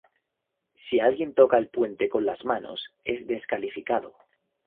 Si alguien toca el puente con las manos es descalificado.